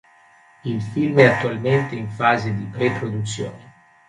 Il film è attualmente in fase di pre-produzione.